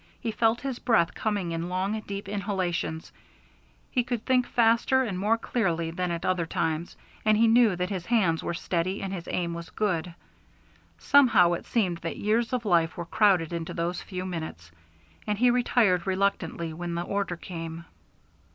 He felt his breath coming in long deep inhalations; he could think faster and more clearly than at other times, and he knew that his hands were steady and his aim was good. Somehow it seemed that years of life were crowded into those few minutes, and he retired reluctantly when the order came.